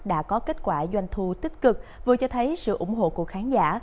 đã có kết quả doanh thu tích cực vừa cho thấy sự ủng hộ của khán giả